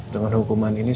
dengan hukuman ini